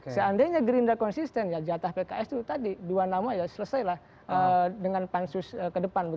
seandainya gerindra konsisten ya jatah pks itu tadi dua nama ya selesailah dengan pansus ke depan